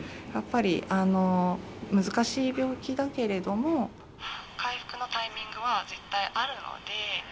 やっぱり難しい病気だけれども回復のタイミングは絶対あるので。